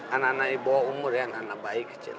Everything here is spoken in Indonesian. anak anak ibu umur ya anak anak bayi kecil